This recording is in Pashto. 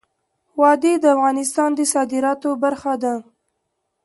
وادي د افغانستان د صادراتو برخه ده.